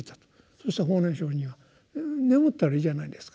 そうしたら法然上人は「眠ったらいいじゃないですか」と。